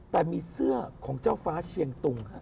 แต่มีเสื้อของเจ้าฟ้าเชียงตุง